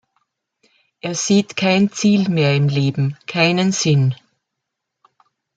Er sieht kein Ziel mehr im Leben, keinen Sinn.